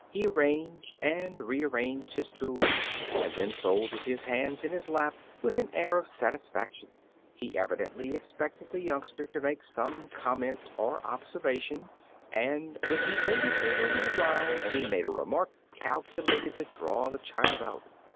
He arranged and rearranged his tools, and then folded his hands in his lap with an air of satisfaction. He evidently expected the youngster to make some comment or observation, and when he had waited a little 103 Uncle Remus Returns while, he made a remark calculated to draw the child out.